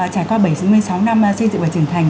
trải qua bảy sáu mươi sáu năm xây dựng và trưởng thành